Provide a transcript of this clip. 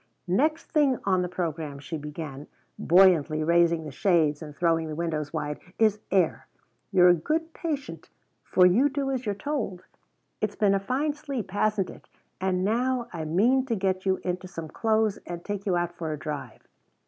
"Next thing on the program," she began, buoyantly raising the shades and throwing the windows wide, "is air. You're a good patient, for you do as you're told. It's been a fine sleep, hasn't it? And now I mean to get you into some clothes and take you out for a drive."